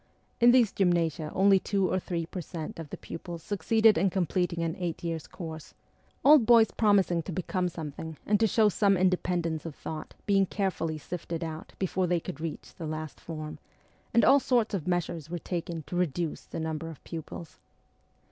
In these gymnasia only two or three per cent, of the pupils succeeded in completing an eight years' course, all boys promising to become something and to show some independence of thought being carefully sifted out before they could reach the last form, and all sorts of measures were taken to reduce the numbers of pupils.